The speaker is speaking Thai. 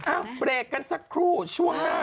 เบรกกันสักครู่ช่วงหน้า